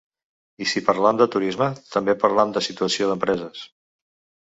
I si parlam de turisme, també parlam de situació d’empreses.